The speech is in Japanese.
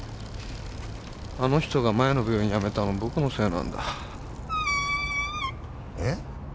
あの人が前の病院辞めたの僕のせいなんだえッ？